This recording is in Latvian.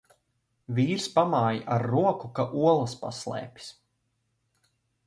Vīrs pamāj ar roku, ka olas paslēpis.